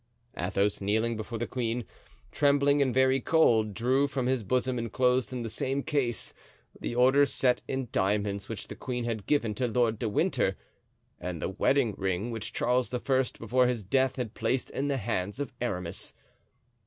Athos, kneeling down before the queen, trembling and very cold, drew from his bosom, inclosed in the same case, the order set in diamonds which the queen had given to Lord de Winter and the wedding ring which Charles I. before his death had placed in the hands of Aramis.